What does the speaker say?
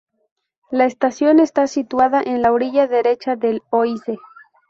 La estación está situada en la orilla derecha del Oise.